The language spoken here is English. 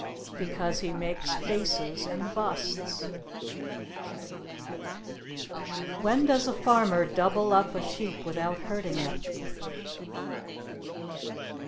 Because he makes faces and busts. When does a farmer double up a sheep without hurting it?